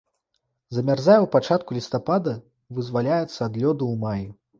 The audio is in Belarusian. Замярзае ў пачатку лістапада, вызваляецца ад лёду ў маі.